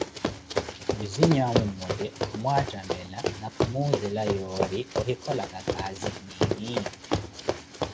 Vizinyu mmote khumwattamela na khumuuzela yoori ohikholaka kaazi niini.